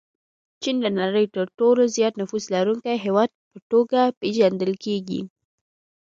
چین د نړۍ د تر ټولو زیات نفوس لرونکي هېواد په توګه پېژندل کېږي.